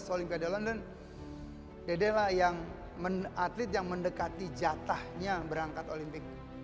dua ribu dua belas olympia the london dedek lah yang atlet yang mendekati jatahnya berangkat olimpik